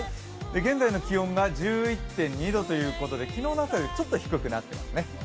現在の気温が１１．２度ということで昨日の朝よりちょっと低くなってますね。